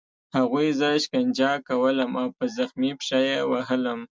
هغوی زه شکنجه کولم او په زخمي پښه یې وهلم